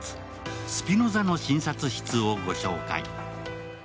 「スピノザの診察室」をご紹介。